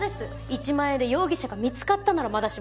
１万円で容疑者が見つかったならまだしも。